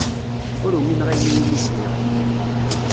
Ur umineɣ ayen iwumi sliɣ.